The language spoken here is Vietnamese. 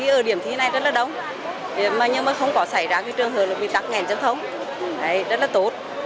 ở điểm thi này rất là đông nhưng mà không có xảy ra trường hợp bị tắc nghẹn giao thông rất là tốt